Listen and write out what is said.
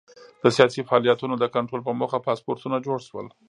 د سیاسي فعالیتونو د کنټرول په موخه پاسپورټونه جوړ شول.